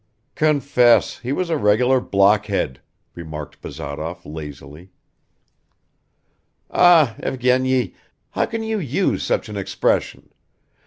"Confess, he was a regular blockhead," remarked Bazarov lazily. "Ah, Evgeny, how can you use such an expression?